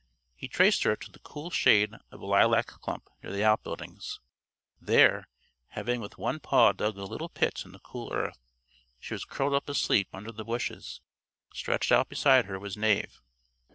He traced her to the cool shade of a lilac clump near the outbuildings. There, having with one paw dug a little pit in the cool earth, she was curled up asleep under the bushes. Stretched out beside her was Knave.